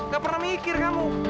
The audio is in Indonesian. gak pernah mikir kamu